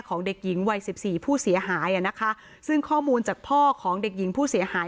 เด็กหญิงวัยสิบสี่ผู้เสียหายอ่ะนะคะซึ่งข้อมูลจากพ่อของเด็กหญิงผู้เสียหาย